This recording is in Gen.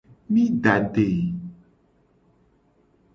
Mi da ade.